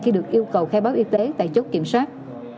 khi được yêu cầu khai báo y tế tại chốt kiểm soát